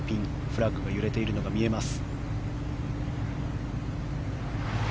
フラッグが揺れているのが見えます。